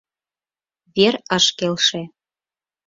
Вер ыш келше.